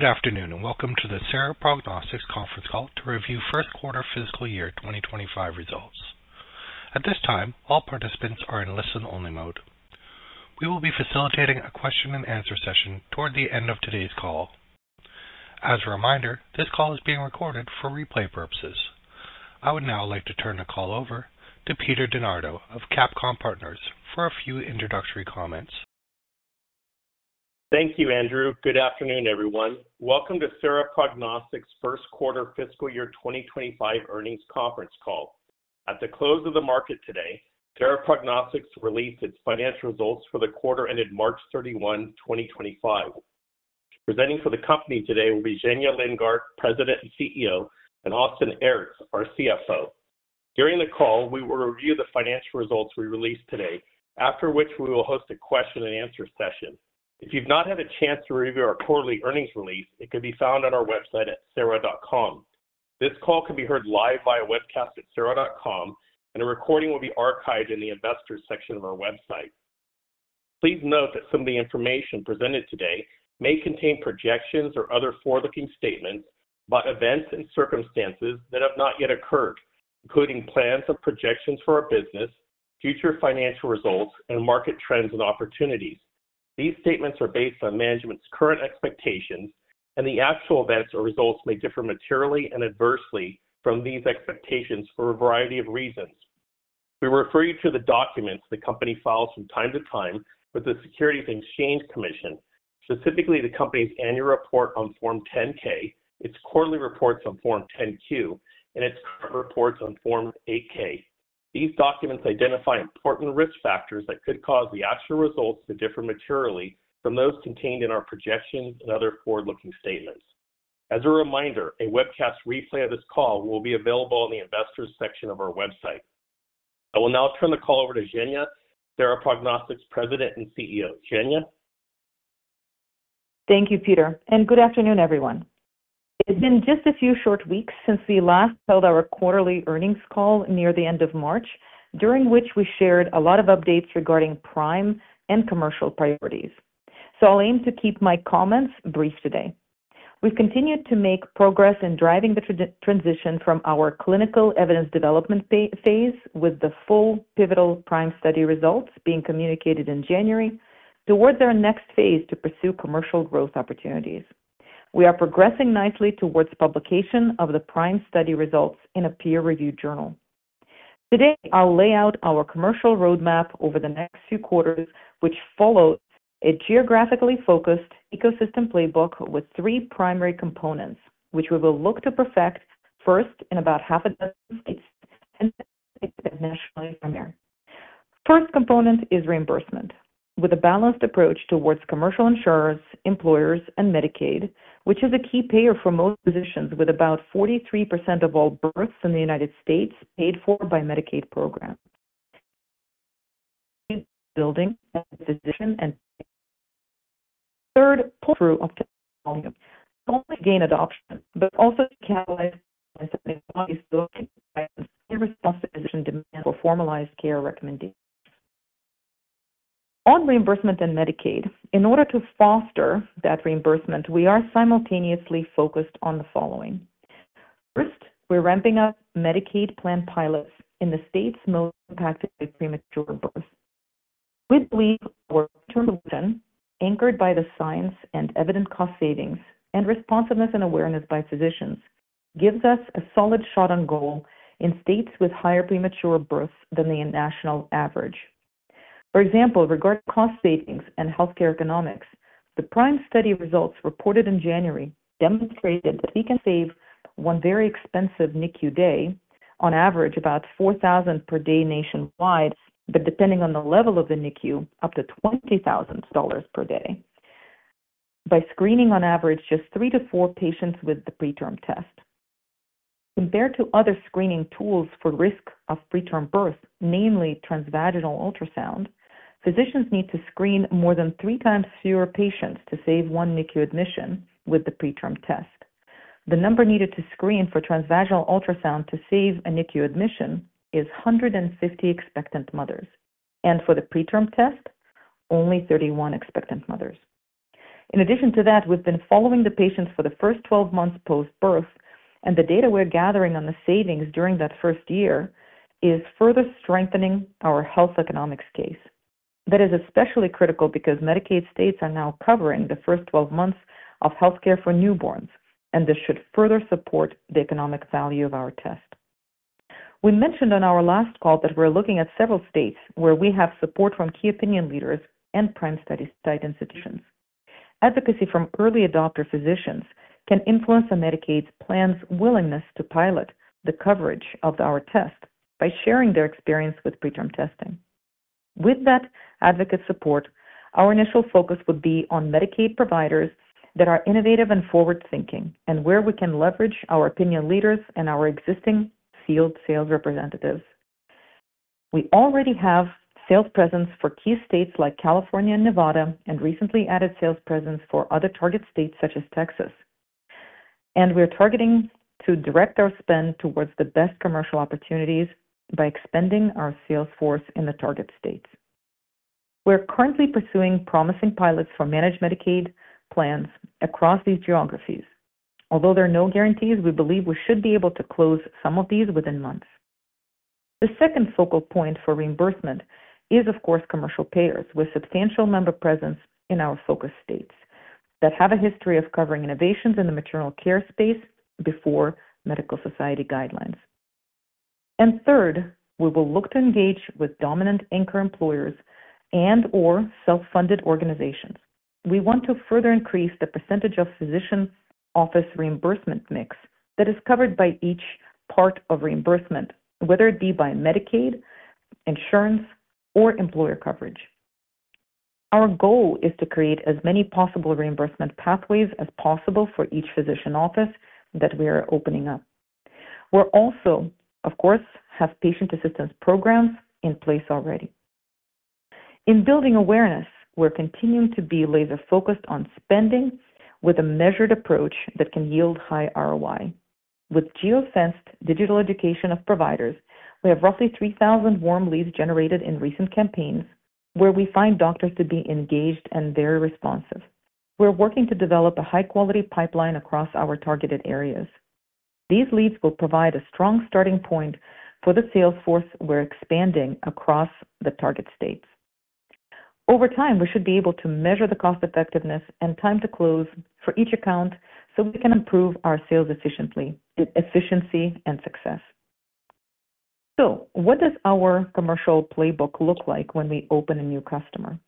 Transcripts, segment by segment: Good afternoon and welcome to the Sera Prognostics Conference Call to review first quarter fiscal year 2025 results. At this time, all participants are in listen-only mode. We will be facilitating a question-and-answer session toward the end of today's call. As a reminder, this call is being recorded for replay purposes. I would now like to turn the call over to Peter DiNardo of CapComm Partners for a few introductory comments. Thank you, Andrew. Good afternoon, everyone. Welcome to Sera Prognostics' First Quarter Fiscal Year 2025 Earnings Conference Call. At the close of the market today, Sera Prognostics released its financial results for the quarter ended March 31, 2025. Presenting for the company today will be Zhenya Lindgardt, President and CEO, and Austin Aerts, our CFO. During the call, we will review the financial results we released today, after which we will host a question-and-answer session. If you've not had a chance to review our quarterly earnings release, it can be found on our website at sera.com. This call can be heard live via webcast at sera.com, and a recording will be archived in the investors' section of our website. Please note that some of the information presented today may contain projections or other forward-looking statements about events and circumstances that have not yet occurred, including plans and projections for our business, future financial results, and market trends and opportunities. These statements are based on management's current expectations, and the actual events or results may differ materially and adversely from these expectations for a variety of reasons. We refer you to the documents the company files from time to time with the Securities and Exchange Commission, specifically the company's annual report on Form 10-K, its quarterly reports on Form 10-Q, and its current reports on Form 8-K. These documents identify important risk factors that could cause the actual results to differ materially from those contained in our projections and other forward-looking statements. As a reminder, a webcast replay of this call will be available in the investors' section of our website. I will now turn the call over to Zhenya, Sera Prognostics President and CEO. Zhenya? Thank you, Peter. Good afternoon, everyone. It's been just a few short weeks since we last held our quarterly earnings call near the end of March, during which we shared a lot of updates regarding PRIME and commercial priorities. I'll aim to keep my comments brief today. We've continued to make progress in driving the transition from our clinical evidence development phase, with the full pivotal PRIME Study results being communicated in January, towards our next phase to pursue commercial growth opportunities. We are progressing nicely towards publication of the PRIME Study results in a peer-reviewed journal. Today, I'll lay out our commercial roadmap over the next few quarters, which follows a geographically focused ecosystem playbook with three primary components, which we will look to perfect first in about half a dozen states and nationally. First component is reimbursement, with a balanced approach towards commercial insurers, employers, and Medicaid, which is a key payer for most positions, with about 43% of all births in the United States paid for by Medicaid programs. Third, through gain adoption, but also to catalyze the response to physician demand for formalized care recommendations. On reimbursement and Medicaid, in order to foster that reimbursement, we are simultaneously focused on the following. First, we're ramping up Medicaid plan pilots in the states most impacted by premature births. We believe our term vision, anchored by the science and evident cost savings and responsiveness and awareness by physicians, gives us a solid shot on goal in states with higher premature births than the national average. For example, regarding cost savings and healthcare economics, the PRIME Study results reported in January demonstrated that we can save one very expensive NICU day, on average about $4,000 per day nationwide, but depending on the level of the NICU, up to $20,000 per day by screening, on average, just three to four patients with the PreTRM Test. Compared to other screening tools for risk of preterm birth, namely transvaginal ultrasound, physicians need to screen more than three times fewer patients to save one NICU admission with the PreTRM Test. The number needed to screen for transvaginal ultrasound to save a NICU admission is 150 expectant mothers, and for the PreTRM Test, only 31 expectant mothers. In addition to that, we've been following the patients for the first 12 months post-birth, and the data we're gathering on the savings during that first year is further strengthening our health economics case. That is especially critical because Medicaid states are now covering the first 12 months of healthcare for newborns, and this should further support the economic value of our test. We mentioned on our last call that we're looking at several states where we have support from key opinion leaders and PRIME Study site institutions. Advocacy from early adopter physicians can influence Medicaid's plan's willingness to pilot the coverage of our test by sharing their experience with PreTRM testing. With that advocate support, our initial focus would be on Medicaid providers that are innovative and forward-thinking, and where we can leverage our opinion leaders and our existing field sales representatives. We already have sales presence for key states like California and Nevada, and recently added sales presence for other target states such as Texas. We are targeting to direct our spend towards the best commercial opportunities by expanding our sales force in the target states. We are currently pursuing promising pilots for managed Medicaid plans across these geographies. Although there are no guarantees, we believe we should be able to close some of these within months. The second focal point for reimbursement is, of course, commercial payers with substantial member presence in our focus states that have a history of covering innovations in the maternal care space before medical society guidelines. Third, we will look to engage with dominant anchor employers and/or self-funded organizations. We want to further increase the percentage of physician office reimbursement mix that is covered by each part of reimbursement, whether it be by Medicaid, insurance, or employer coverage. Our goal is to create as many possible reimbursement pathways as possible for each physician office that we are opening up. We're also, of course, have patient assistance programs in place already. In building awareness, we're continuing to be laser-focused on spending with a measured approach that can yield high ROI. With geofenced digital education of providers, we have roughly 3,000 warm leads generated in recent campaigns where we find doctors to be engaged and very responsive. We're working to develop a high-quality pipeline across our targeted areas. These leads will provide a strong starting point for the sales force we're expanding across the target states. Over time, we should be able to measure the cost effectiveness and time to close for each account so we can improve our sales efficiency and success. What does our commercial playbook look like when we open a new customer?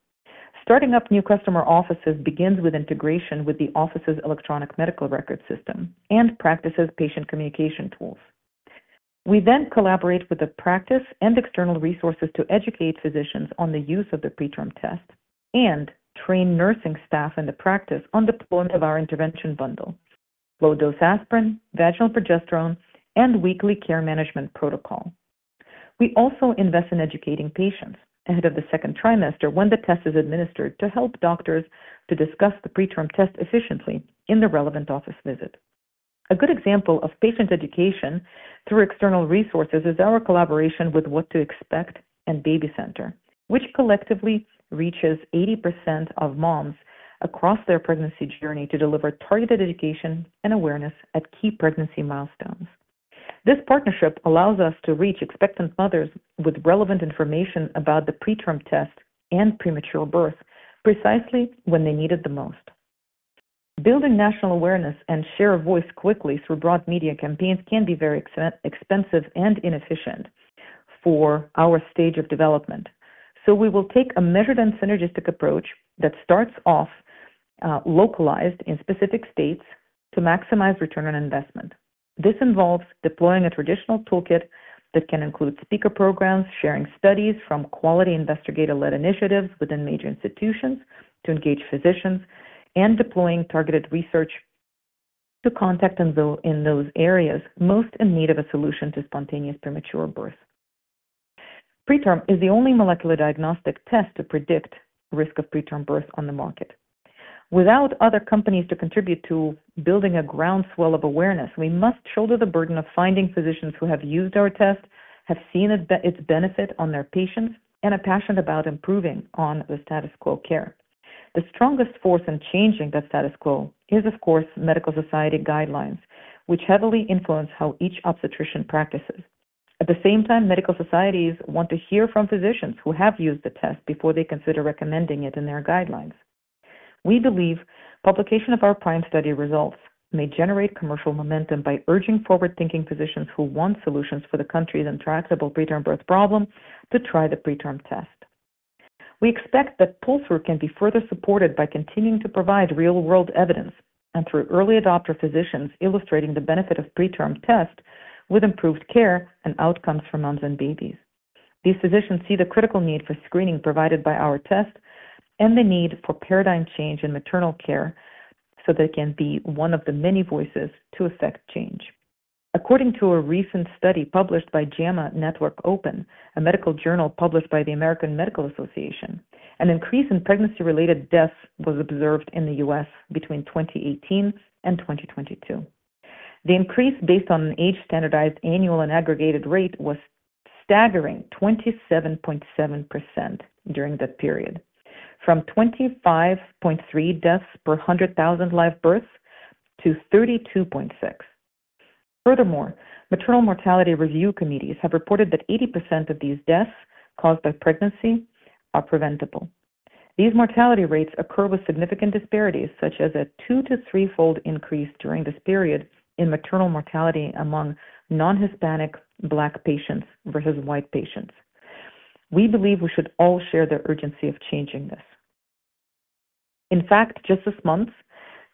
Starting up new customer offices begins with integration with the office's electronic medical record system and practices' patient communication tools. We then collaborate with the practice and external resources to educate physicians on the use of the PreTRM Test and train nursing staff in the practice on the deployment of our intervention bundle: low-dose aspirin, vaginal progesterone, and weekly care management protocol. We also invest in educating patients ahead of the second trimester when the test is administered to help doctors to discuss the PreTRM Test efficiently in the relevant office visit. A good example of patient education through external resources is our collaboration with What to Expect and BabyCenter, which collectively reaches 80% of moms across their pregnancy journey to deliver targeted education and awareness at key pregnancy milestones. This partnership allows us to reach expectant mothers with relevant information about the PreTRM Test and premature birth precisely when they need it the most. Building national awareness and share of voice quickly through broad media campaigns can be very expensive and inefficient for our stage of development. We will take a measured and synergistic approach that starts off localized in specific states to maximize return on investment. This involves deploying a traditional toolkit that can include speaker programs, sharing studies from quality investigator-led initiatives within major institutions to engage physicians, and deploying targeted research to contact in those areas most in need of a solution to spontaneous preterm birth. PreTRM is the only molecular diagnostic test to predict the risk of preterm birth on the market. Without other companies to contribute to building a groundswell of awareness, we must shoulder the burden of finding physicians who have used our test, have seen its benefit on their patients, and are passionate about improving on the status quo care. The strongest force in changing that status quo is, of course, medical society guidelines, which heavily influence how each obstetrician practices. At the same time, medical societies want to hear from physicians who have used the test before they consider recommending it in their guidelines. We believe publication of our PRIME Study results may generate commercial momentum by urging forward-thinking physicians who want solutions for the country's intractable preterm birth problem to try the PreTRM Test. We expect that pull-through can be further supported by continuing to provide real-world evidence and through early adopter physicians illustrating the benefit of PreTRM Test with improved care and outcomes for moms and babies. These physicians see the critical need for screening provided by our test and the need for paradigm change in maternal care so that it can be one of the many voices to affect change. According to a recent study published by JAMA Network Open, a medical journal published by the American Medical Association, an increase in pregnancy-related deaths was observed in the U.S. between 2018 and 2022. The increase based on an age-standardized annual and aggregated rate was a staggering 27.7% during that period, from 25.3% deaths per 100,000 live births to 32.6%. Furthermore, maternal mortality review committees have reported that 80% of these deaths caused by pregnancy are preventable. These mortality rates occur with significant disparities, such as a two to three-fold increase during this period in maternal mortality among non-Hispanic Black patients versus White patients. We believe we should all share the urgency of changing this. In fact, just this month,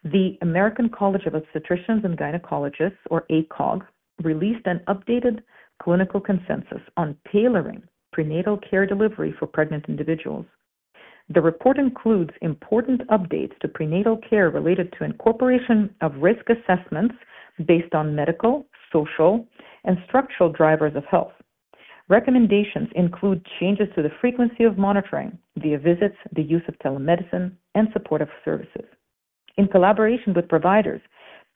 the American College of Obstetricians and Gynecologists, or ACOG, released an updated clinical consensus on tailoring prenatal care delivery for pregnant individuals. The report includes important updates to prenatal care related to incorporation of risk assessments based on medical, social, and structural drivers of health. Recommendations include changes to the frequency of monitoring, the visits, the use of telemedicine, and supportive services. In collaboration with providers,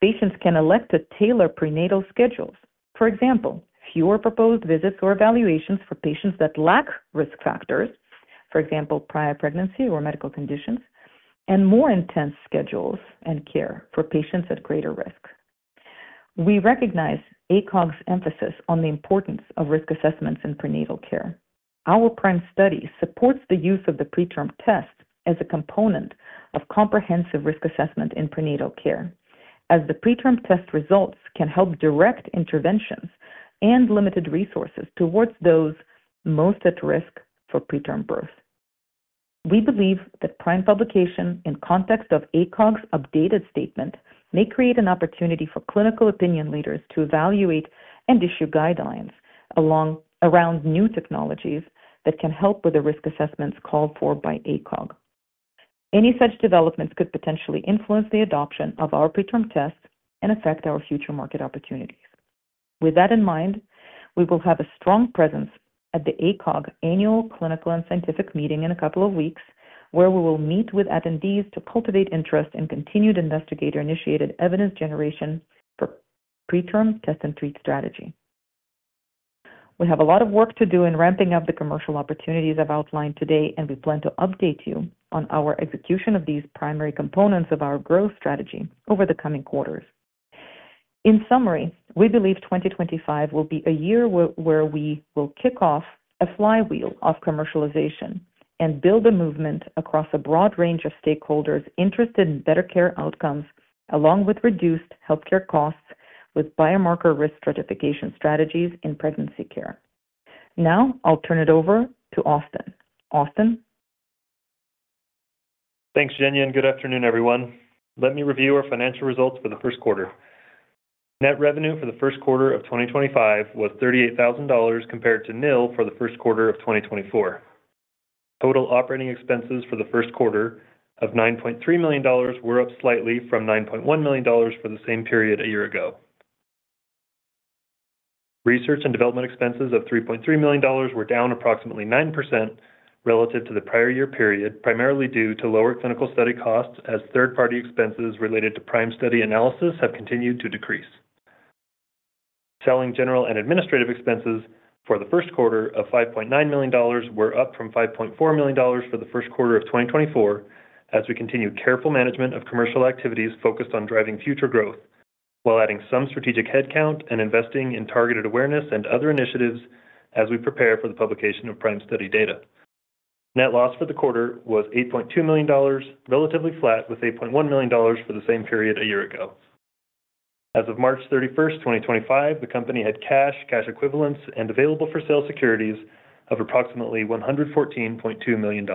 patients can elect to tailor prenatal schedules. For example, fewer proposed visits or evaluations for patients that lack risk factors, for example, prior pregnancy or medical conditions, and more intense schedules and care for patients at greater risk. We recognize ACOG's emphasis on the importance of risk assessments in prenatal care. Our PRIME Study supports the use of the PreTRM Test as a component of comprehensive risk assessment in prenatal care, as the PreTRM Test results can help direct interventions and limited resources towards those most at risk for preterm birth. We believe that PRIME publication in context of ACOG's updated statement may create an opportunity for clinical opinion leaders to evaluate and issue guidelines around new technologies that can help with the risk assessments called for by ACOG. Any such developments could potentially influence the adoption of our PreTRM Test and affect our future market opportunities. With that in mind, we will have a strong presence at the ACOG annual clinical and scientific meeting in a couple of weeks, where we will meet with attendees to cultivate interest in continued investigator-initiated evidence generation for PreTRM Test and treat strategy. We have a lot of work to do in ramping up the commercial opportunities I've outlined today, and we plan to update you on our execution of these primary components of our growth strategy over the coming quarters. In summary, we believe 2025 will be a year where we will kick off a flywheel of commercialization and build a movement across a broad range of stakeholders interested in better care outcomes, along with reduced healthcare costs with biomarker risk stratification strategies in pregnancy care. Now, I'll turn it over to Austin. Austin. Thanks, Zhenya. And good afternoon, everyone. Let me review our financial results for the first quarter. Net revenue for the first quarter of 2025 was $38,000 compared to nil for the first quarter of 2024. Total operating expenses for the first quarter of $9.3 million were up slightly from $9.1 million for the same period a year ago. Research and development expenses of $3.3 million were down approximately 9% relative to the prior year period, primarily due to lower clinical study costs as third-party expenses related to PRIME Study analysis have continued to decrease. Selling general and administrative expenses for the first quarter of $5.9 million were up from $5.4 million for the first quarter of 2024, as we continue careful management of commercial activities focused on driving future growth while adding some strategic headcount and investing in targeted awareness and other initiatives as we prepare for the publication of PRIME Study data. Net loss for the quarter was $8.2 million, relatively flat with $8.1 million for the same period a year ago. As of March 31, 2025, the company had cash, cash equivalents, and available-for-sale securities of approximately $114.2 million.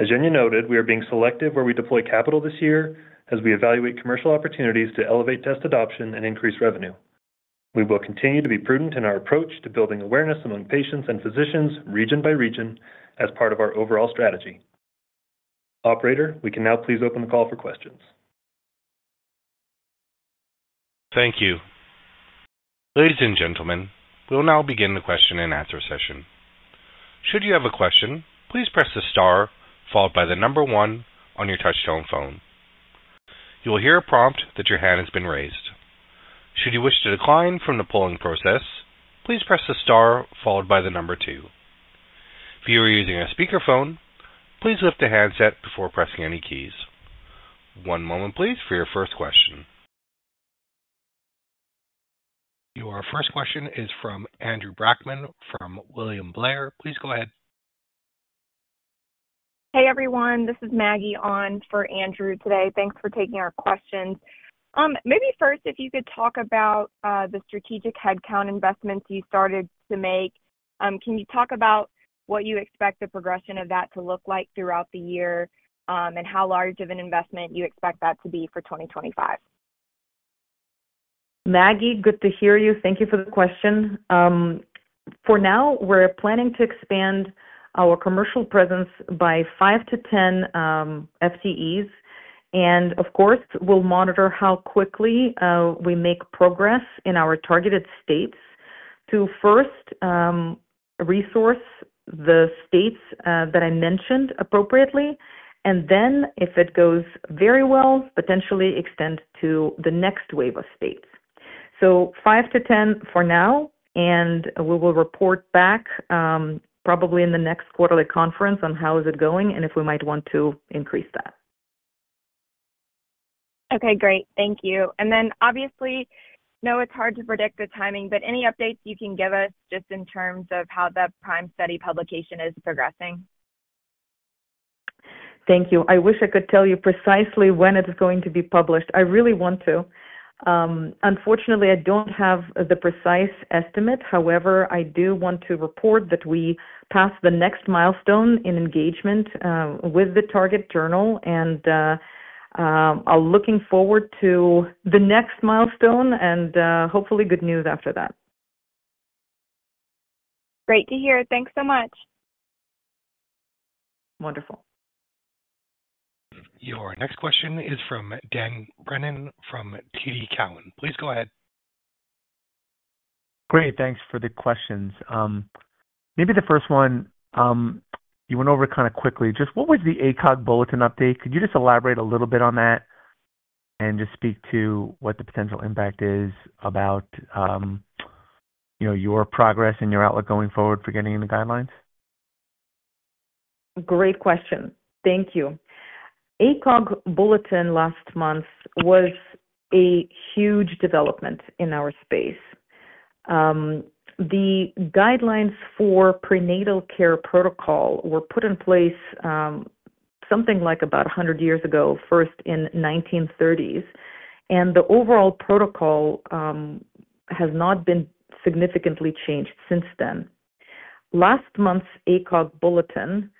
As Zhenya noted, we are being selective where we deploy capital this year as we evaluate commercial opportunities to elevate test adoption and increase revenue. We will continue to be prudent in our approach to building awareness among patients and physicians region by region as part of our overall strategy. Operator, we can now please open the call for questions. Thank you. Ladies and gentlemen, we'll now begin the question and answer session. Should you have a question, please press the star followed by the number one on your touch-tone phone. You will hear a prompt that your hand has been raised. Should you wish to decline from the polling process, please press the star followed by the number two. If you are using a speakerphone, please lift the handset before pressing any keys. One moment, please, for your first question. Your first question is from Andrew Brackmann from William Blair. Please go ahead. Hey, everyone. This is Maggie on for Andrew today. Thanks for taking our questions. Maybe first, if you could talk about the strategic headcount investments you started to make. Can you talk about what you expect the progression of that to look like throughout the year and how large of an investment you expect that to be for 2025? Maggie, good to hear you. Thank you for the question. For now, we're planning to expand our commercial presence by five to 10 FTEs. Of course, we'll monitor how quickly we make progress in our targeted states to first resource the states that I mentioned appropriately, and then, if it goes very well, potentially extend to the next wave of states. Five-10 for now, and we will report back probably in the next quarterly conference on how it is going and if we might want to increase that. Okay. Great. Thank you. Obviously, I know it's hard to predict the timing, but any updates you can give us just in terms of how the PRIME Study publication is progressing? Thank you. I wish I could tell you precisely when it's going to be published. I really want to. Unfortunately, I don't have the precise estimate. However, I do want to report that we passed the next milestone in engagement with the target journal, and I'm looking forward to the next milestone and hopefully good news after that. Great to hear. Thanks so much. Wonderful. Your next question is from Dan Brennan from TD Cowen. Please go ahead. Great. Thanks for the questions. Maybe the first one, you went over kind of quickly. Just what was the ACOG bulletin update? Could you just elaborate a little bit on that and just speak to what the potential impact is about your progress and your outlook going forward for getting in the guidelines? Great question. Thank you. ACOG bulletin last month was a huge development in our space. The guidelines for prenatal care protocol were put in place something like about 100 years ago, first in the 1930s, and the overall protocol has not been significantly changed since then. Last month's ACOG bulletin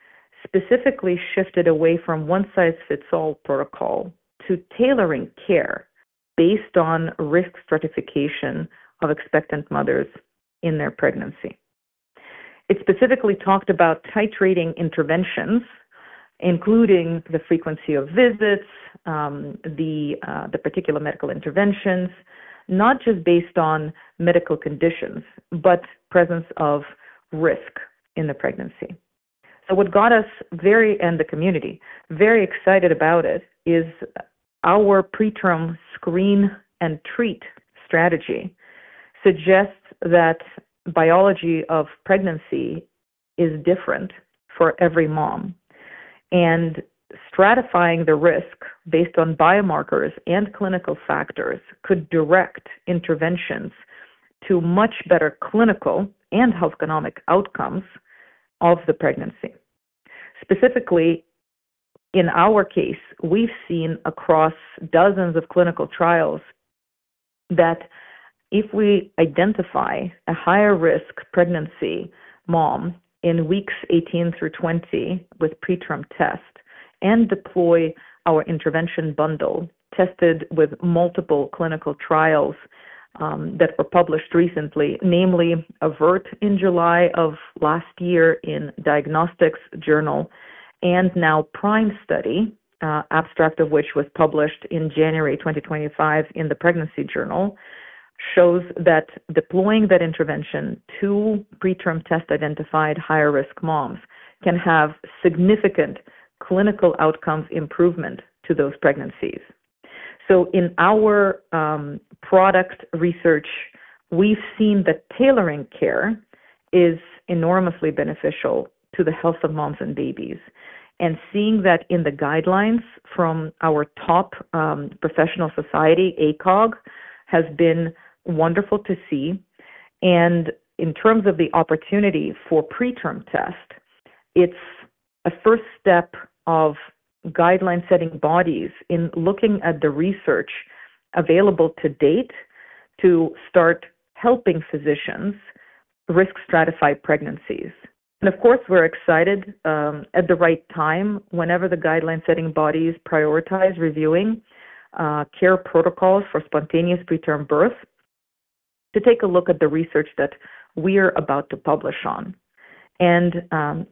specifically shifted away from one-size-fits-all protocol to tailoring care based on risk stratification of expectant mothers in their pregnancy. It specifically talked about titrating interventions, including the frequency of visits, the particular medical interventions, not just based on medical conditions, but presence of risk in the pregnancy. What got us and the community very excited about it is our preterm screen and treat strategy suggests that biology of pregnancy is different for every mom, and stratifying the risk based on biomarkers and clinical factors could direct interventions to much better clinical and health-economic outcomes of the pregnancy. Specifically, in our case, we've seen across dozens of clinical trials that if we identify a higher-risk pregnancy mom in weeks 18 through 20 with PreTRM Test and deploy our intervention bundle tested with multiple clinical trials that were published recently, namely AVERT in July of last year in Diagnostics journal and now PRIME Study, abstract of which was published in January 2025 in the pregnancy journal, shows that deploying that intervention to PreTRM Test identified higher risk moms can have significant clinical outcome improvement to those pregnancies. In our product research, we've seen that tailoring care is enormously beneficial to the health of moms and babies. Seeing that in the guidelines from our top professional society, ACOG, has been wonderful to see. In terms of the opportunity for PreTRM Test, it's a first step of guideline-setting bodies in looking at the research available to date to start helping physicians risk-stratify pregnancies. Of course, we're excited at the right time whenever the guideline-setting bodies prioritize reviewing care protocols for spontaneous preterm birth to take a look at the research that we are about to publish on and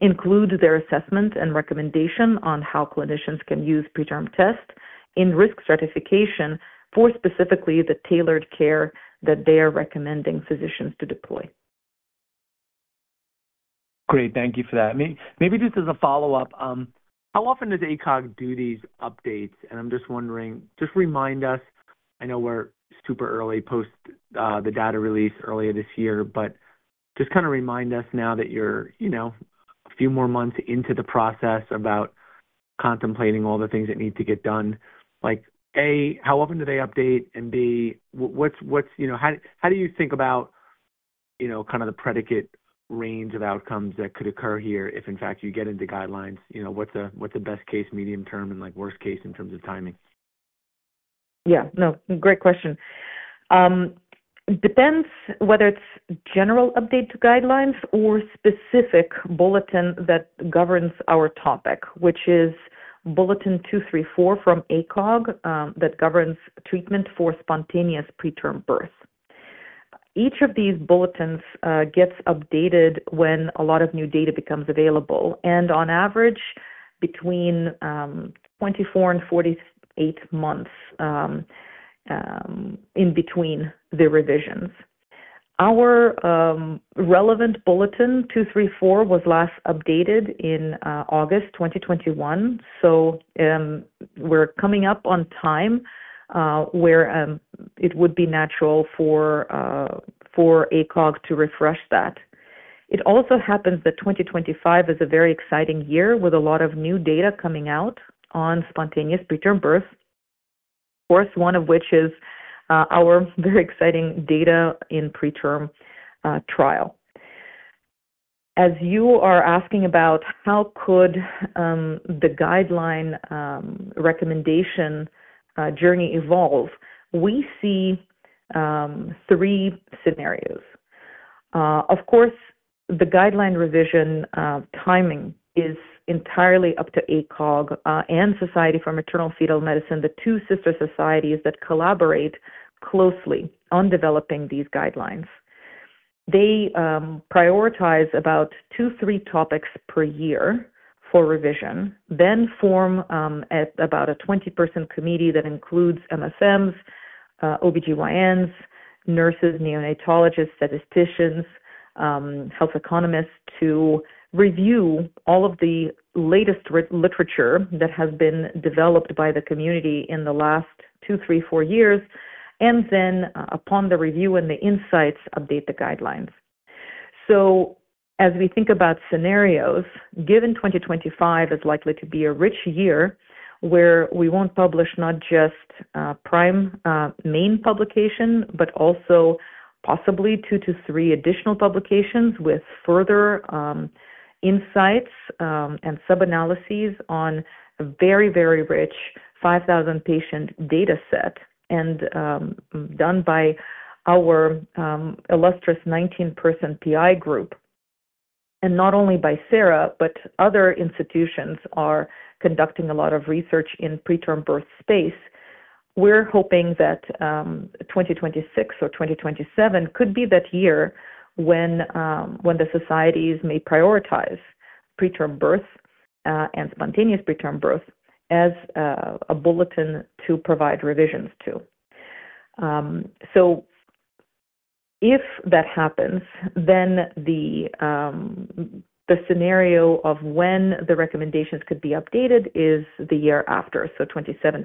include their assessment and recommendation on how clinicians can use PreTRM Test in risk stratification for specifically the tailored care that they are recommending physicians to deploy. Great. Thank you for that. Maybe just as a follow-up, how often does ACOG do these updates? I'm just wondering, just remind us, I know we're super early post the data release earlier this year, but just kind of remind us now that you're a few more months into the process about contemplating all the things that need to get done. A, how often do they update? And B, how do you think about kind of the predicate range of outcomes that could occur here if, in fact, you get into guidelines? What's the best-case medium-term and worst-case in terms of timing? Yeah. No. Great question. Depends whether it's general update to guidelines or specific bulletin that governs our topic, which is bulletin 234 from ACOG that governs treatment for spontaneous preterm birth. Each of these bulletins gets updated when a lot of new data becomes available, and on average, between 24-48 months in between the revisions. Our relevant bulletin 234 was last updated in August 2021, so we're coming up on time where it would be natural for ACOG to refresh that. It also happens that 2025 is a very exciting year with a lot of new data coming out on spontaneous preterm birth, of course, one of which is our very exciting data in PreTRM trial. As you are asking about how could the guideline recommendation journey evolve, we see three scenarios. Of course, the guideline revision timing is entirely up to ACOG and Society for Maternal-Fetal Medicine, the two sister societies that collaborate closely on developing these guidelines. They prioritize about two, three topics per year for revision, then form about a 20-person committee that includes MFM, OB-GYNs, nurses, neonatologists, statisticians, health economists to review all of the latest literature that has been developed by the community in the last two, three, four years, and then, upon the review and the insights, update the guidelines. As we think about scenarios, given 2025 is likely to be a rich year where we won't publish not just PRIME main publication, but also possibly two to three additional publications with further insights and sub-analyses on a very, very rich 5,000-patient data set done by our illustrious 19-person PI group. Not only by Sera, but other institutions are conducting a lot of research in preterm birth space. We're hoping that 2026 or 2027 could be that year when the societies may prioritize preterm birth and spontaneous preterm birth as a bulletin to provide revisions to. If that happens, then the scenario of when the recommendations could be updated is the year after, so 2027,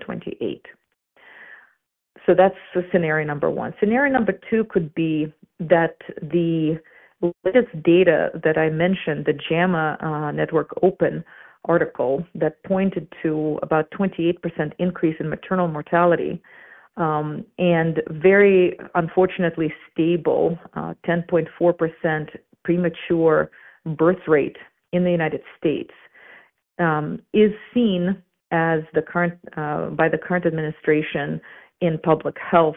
2028. That's scenario number one. Scenario number two could be that the latest data that I mentioned, the JAMA Network Open article that pointed to about a 28% increase in maternal mortality and very unfortunately stable 10.4% premature birth rate in the United States is seen by the current administration and public health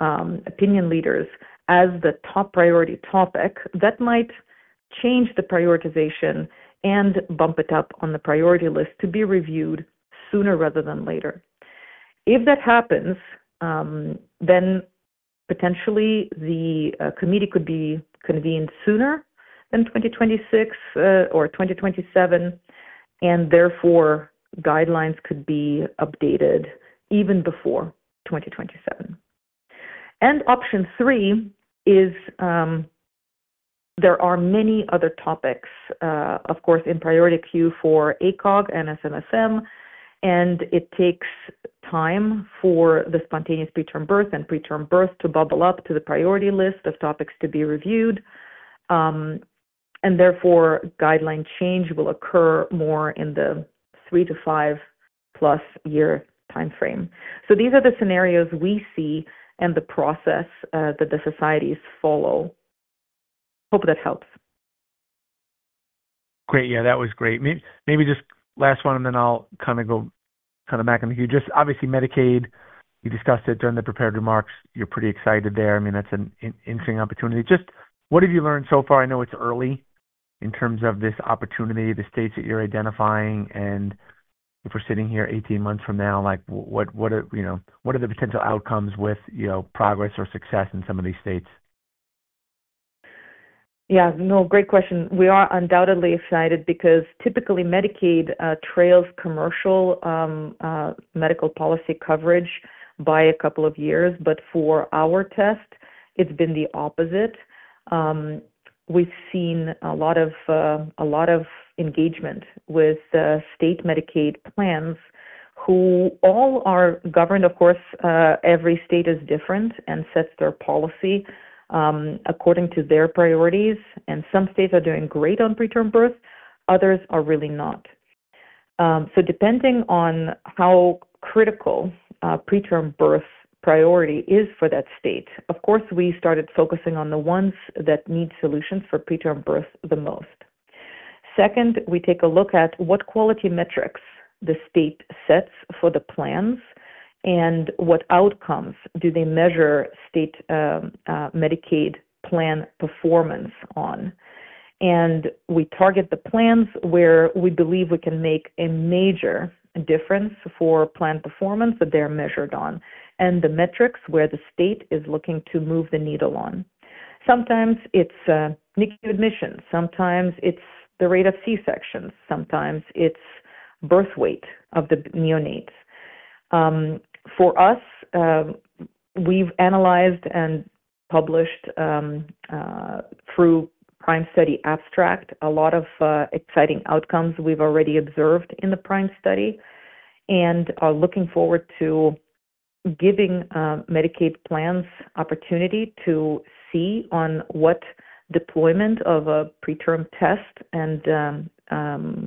opinion leaders as the top priority topic that might change the prioritization and bump it up on the priority list to be reviewed sooner rather than later. If that happens, then potentially the committee could be convened sooner than 2026 or 2027, and therefore guidelines could be updated even before 2027. Option three is there are many other topics, of course, in priority queue for ACOG and SMFM, and it takes time for the spontaneous preterm birth and preterm birth to bubble up to the priority list of topics to be reviewed. Therefore, guideline change will occur more in the three-five plus year timeframe. These are the scenarios we see and the process that the societies follow. Hope that helps. Great. Yeah, that was great. Maybe just last one, and then I'll kind of go kind of back in the queue. Just obviously, Medicaid, you discussed it during the prepared remarks. You're pretty excited there. I mean, that's an interesting opportunity. Just what have you learned so far? I know it's early in terms of this opportunity, the states that you're identifying, and if we're sitting here 18 months from now, what are the potential outcomes with progress or success in some of these states? Yeah. No, great question. We are undoubtedly excited because typically Medicaid trails commercial medical policy coverage by a couple of years, but for our test, it's been the opposite. We've seen a lot of engagement with state Medicaid plans who all are governed. Of course, every state is different and sets their policy according to their priorities, and some states are doing great on preterm birth; others are really not. Depending on how critical preterm birth priority is for that state, of course, we started focusing on the ones that need solutions for preterm birth the most. Second, we take a look at what quality metrics the state sets for the plans and what outcomes do they measure state Medicaid plan performance on. We target the plans where we believe we can make a major difference for plan performance that they're measured on and the metrics where the state is looking to move the needle on. Sometimes it's NICU admissions. Sometimes it's the rate of C-sections. Sometimes it's birth weight of the neonates. For us, we've analyzed and published through PRIME Study abstract a lot of exciting outcomes we've already observed in the PRIME Study and are looking forward to giving Medicaid plans opportunity to see on what deployment of a PreTRM Test and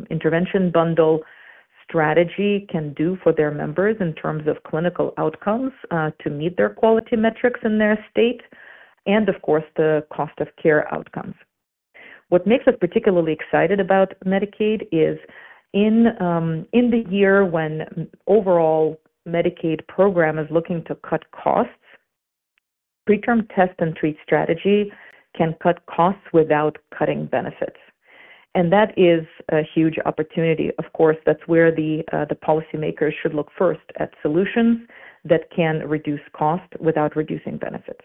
intervention bundle strategy can do for their members in terms of clinical outcomes to meet their quality metrics in their state and, of course, the cost of care outcomes. What makes us particularly excited about Medicaid is in the year when overall Medicaid program is looking to cut costs, preterm test and treat strategy can cut costs without cutting benefits. That is a huge opportunity. Of course, that's where the policymakers should look first at solutions that can reduce cost without reducing benefits.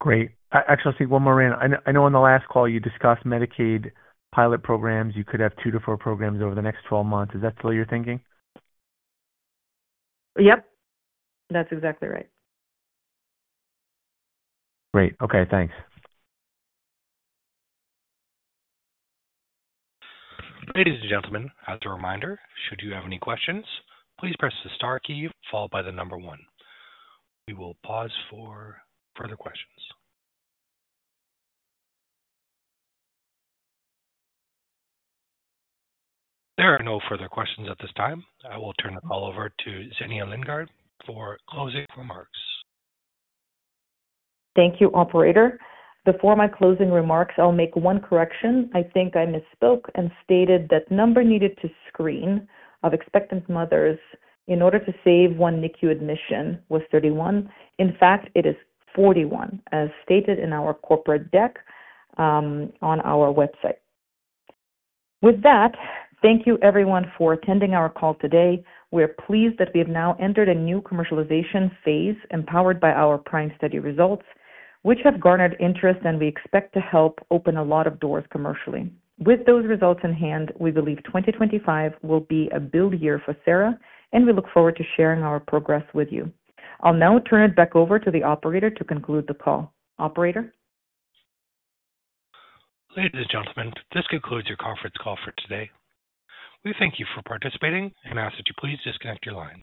Great. Actually, I'll take one more in. I know on the last call you discussed Medicaid pilot programs. You could have two-four programs over the next 12 months. Is that still your thinking? Yep. That's exactly right. Great. Okay. Thanks. Ladies and gentlemen, as a reminder, should you have any questions, please press the star key followed by the number one. We will pause for further questions. There are no further questions at this time. I will turn it all over to Zhenya Lindgardt for closing remarks. Thank you, Operator. Before my closing remarks, I'll make one correction. I think I misspoke and stated that number needed to screen of expectant mothers in order to save one NICU admission was 31. In fact, it is 41, as stated in our corporate deck on our website. With that, thank you everyone for attending our call today. We are pleased that we have now entered a new commercialization phase empowered by our PRIME Study results, which have garnered interest, and we expect to help open a lot of doors commercially. With those results in hand, we believe 2025 will be a build-year for Sera, and we look forward to sharing our progress with you. I'll now turn it back over to the Operator to conclude the call. Operator. Ladies and gentlemen, this concludes your conference call for today. We thank you for participating and ask that you please disconnect your lines.